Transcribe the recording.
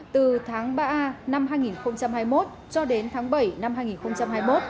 từ tháng ba năm hai nghìn hai mươi một cho đến tháng bảy năm hai nghìn hai mươi một